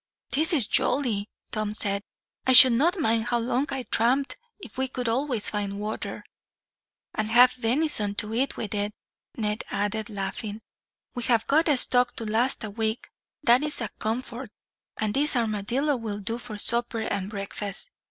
"This is jolly," Tom said. "I should not mind how long I tramped, if we could always find water." "And have venison to eat with it," Ned added, laughing. "We have got a stock to last a week, that is a comfort, and this armadillo will do for supper and breakfast.